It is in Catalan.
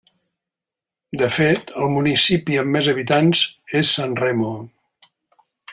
De fet, el municipi amb més habitants és Sanremo.